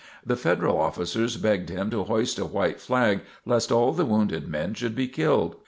The Federal officers begged him to hoist a white flag lest all the wounded men should be killed.